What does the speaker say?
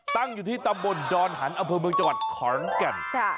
ตั้งอยู่ที่ตำบลดรหันภพเมืองจังหวัดคอร์นกัน